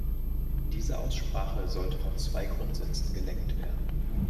Diese Aussprache sollte von zwei Grundsätzen gelenkt werden.